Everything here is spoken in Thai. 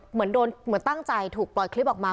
เหมือนตั้งใจถูกปล่อยคลิปออกมา